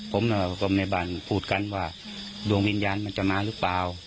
ผมก็แม่บ้านพูดกันว่าดวงวิญญาณมันจะมาหรือเปล่า